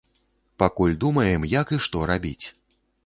Пакуль думаем, як і што рабіць.